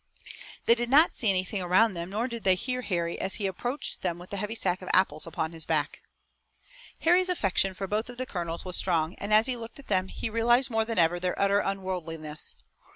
They did not see anything around them nor did they hear Harry as he approached them with the heavy sack of apples upon his back. Harry's affection for both of the colonels was strong and as he looked at them he realized more than ever their utter unworldliness.